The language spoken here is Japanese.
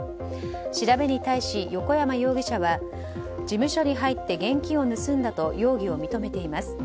調べに対し横山容疑者は事務所に入って現金を盗んだと容疑を認めています。